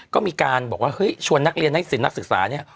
ก็มีการบอกว่าเฮ้ยชวนนักเรียนนักศิลปนักศึกษาเนี่ย